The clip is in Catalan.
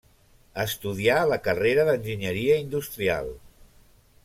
Estudià la carrera d'enginyeria industrial.